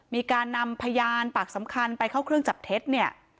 มีการนำพยานปากสำคัญไปเข้าเครื่องจับเท็จเนี่ย